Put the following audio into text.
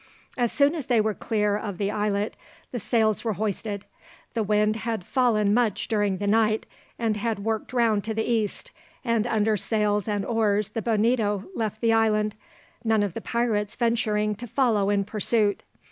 As soon as they were clear of the islet the sails were hoisted. The wind had fallen much during the night, and had worked round to the east, and under sails and oars the Bonito left the island, none of the pirates venturing to follow in pursuit.